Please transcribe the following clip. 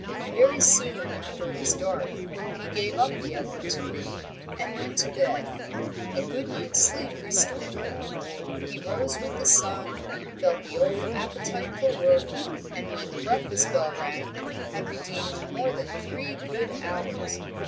Very soon after it was dark he gave up the effort to read, and went to bed. A good night's sleep restored him. He rose with the sun, felt the old appetite for work, and when the breakfast bell rang had redeemed more than three good hours.